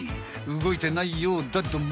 動いてないようだども。